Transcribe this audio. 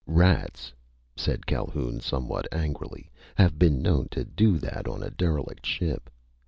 "Rats," said Calhoun somehow angrily, "have been known to do that on a derelict ship.